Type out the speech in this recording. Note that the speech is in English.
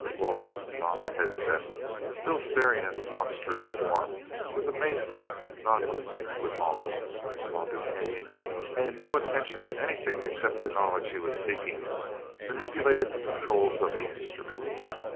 Loring donned the headset, still staring at the monstrous form with amazement, not unmixed with awe, while DuQuesne, paying no attention to anything except the knowledge he was seeking, manipulated the controls of the instrument.